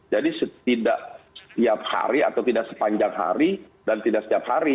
jadi setidak setiap hari atau tidak sepanjang hari dan tidak setiap hari